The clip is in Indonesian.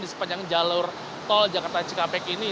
di sepanjang jalur tol jakarta cikampek ini